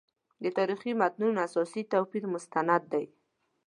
د تاریخي متونو اساسي توپیر مستند دی.